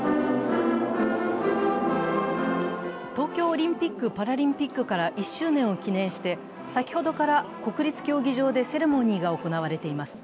東京オリンピック・パラリンピックから１周年を記念して先ほどから国立競技場でセレモニーが行われています。